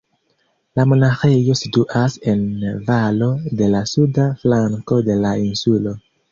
La monaĥejo situas en valo de la suda flanko de la insulo.